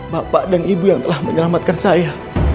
bapak dan ibu yang telah menyelamatkan saya